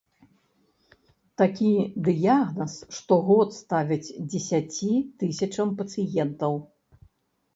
Такі дыягназ штогод ставяць дзесяці тысячам пацыентаў.